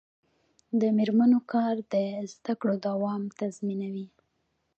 د میرمنو کار د زدکړو دوام تضمینوي.